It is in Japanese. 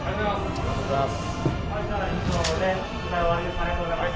ありがとうございます。